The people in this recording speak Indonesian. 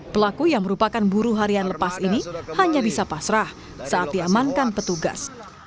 pelaku yang merupakan buruh harian lepas ini hanya bisa pasrah saat diamankan petugas